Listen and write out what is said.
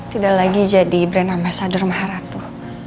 tidak lagi jadi bernama sadur maharatu